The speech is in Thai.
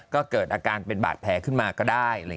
ก็เกิดอาการเป็นบาดแผลขึ้นมาก็ได้